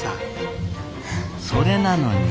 それなのに。